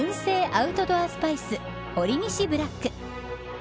アウトドアスパイスほりにしブラック。